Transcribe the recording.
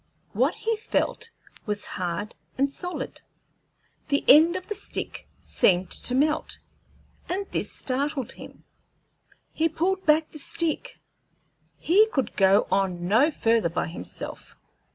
What he felt was hard and solid; the end of the stick seemed to melt, and this startled him. He pulled back the stick he could go on no further by himself.